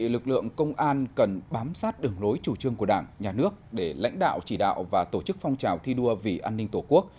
lực lượng công an cần bám sát đường lối chủ trương của đảng nhà nước để lãnh đạo chỉ đạo và tổ chức phong trào thi đua vì an ninh tổ quốc